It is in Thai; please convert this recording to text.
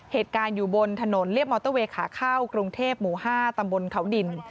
เหตุการณ์อยู่บนถนนเรียบมอเตอร์เวย์ขาเข้ากรุงเทพหมู่๕ตำบลเขาดิน